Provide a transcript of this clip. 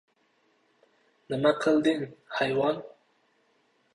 — Nima qilding, hayvon!